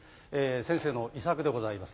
先生の遺作でございます。